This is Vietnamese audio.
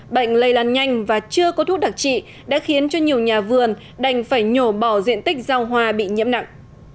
bệnh lây lan nhanh và chưa có thuốc đặc trị đã khiến cho nhiều nhà vườn đành phải nhổ bỏ diện tích rau hoa bị nhiễm nặng